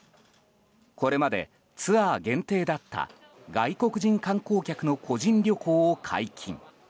これまでツアー限定だった外国人観光客の個人旅行を解禁。